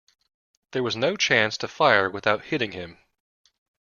There was no chance to fire without hitting him.